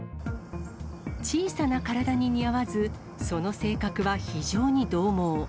小さな体に似合わず、その性格は非常に獰猛。